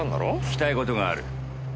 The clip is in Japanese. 聞きたい事がある。